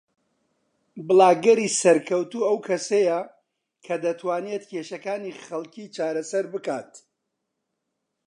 بڵاگەری سەرکەوتوو ئەو کەسەیە کە دەتوانێت کێشەکانی خەڵکی چارەسەر بکات